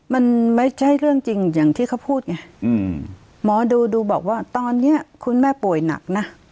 มันไม่ใช่เรื่องจริงอย่างที่เขาพูดไงหมอดูดูบอกว่าตอนนี้คุณแม่ป่วยหนักนะ